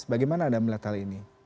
bagaimana anda melihat hal ini